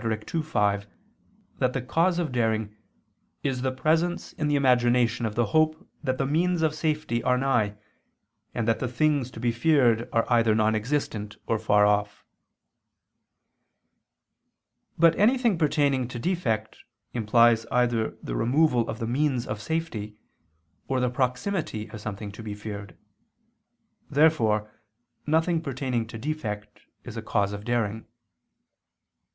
ii, 5) that the cause of daring "is the presence in the imagination of the hope that the means of safety are nigh, and that the things to be feared are either non existent or far off." But anything pertaining to defect implies either the removal of the means of safety, or the proximity of something to be feared. Therefore nothing pertaining to defect is a cause of daring.